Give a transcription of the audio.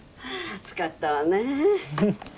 暑かったわね。